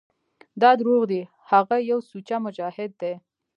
دا دروغ دي هغه يو سوچه مجاهد دى.